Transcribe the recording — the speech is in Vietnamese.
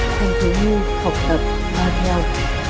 thành thứ như học hợp hoạt nhau